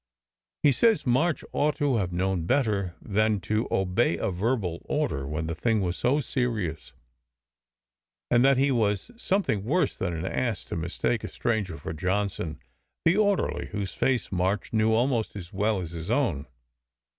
He says March ought to have known better than to obey a verbal order when the thing was so serious, and that he was some^ thing worse than an ass to mistake a stranger for Johnson, the orderly, whose face March knew almost as well as his own.